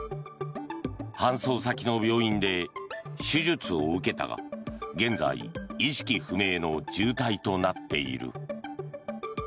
搬送先の病院で手術を受けたが現在意識不明の重体となっている。